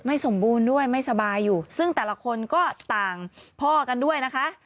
สมบูรณ์ด้วยไม่สบายอยู่ซึ่งแต่ละคนก็ต่างพ่อกันด้วยนะคะ